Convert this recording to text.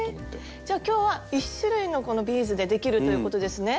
じゃあ今日は１種類のこのビーズでできるということですね。